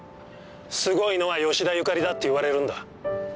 すごいのは吉田ゆかりだって言われるんだ。